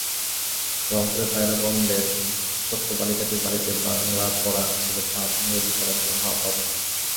রংপুরের পায়রাবন্দের ছোট্ট বালিকাটির বাড়িতে বাংলা পড়া ছিল পাপ, ইংরেজি পড়া ছিল মহাপাপ।